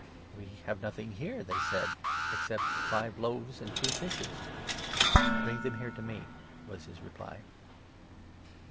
" We have nothing here," they said, "except five loaves and two fishes." " Bring them here to me," was his reply.